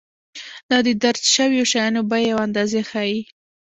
دا د درج شویو شیانو بیې او اندازې ښيي.